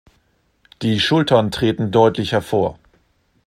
Die Schultern treten deutlich hervor.